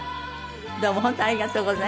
どうも本当にありがとうございました。